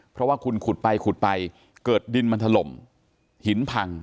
เพราะว่าคุณขุดไปขุดไปเกิดดินมันถล่มหินพัง